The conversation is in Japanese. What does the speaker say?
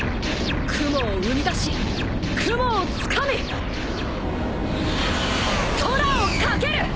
雲を生み出し雲をつかみ空を駆ける！